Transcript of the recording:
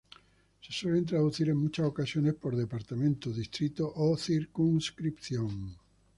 Se suele traducir en muchas ocasiones por departamento, distrito o circunscripción.